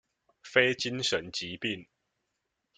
非精神疾病